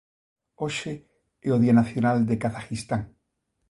Hoxe é o Día Nacional de Kazakhistán.